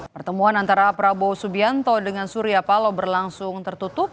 pertemuan antara prabowo subianto dengan surya palo berlangsung tertutup